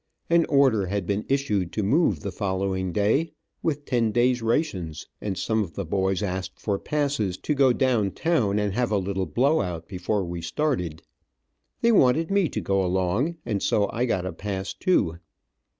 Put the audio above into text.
An order had been issued to move the following day, with ten days' rations, and some of the boys asked for passes to go down town and have a little blow out before we started. They wanted me to go along, and so I got a pass, too.